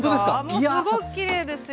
もうすごくきれいですよ。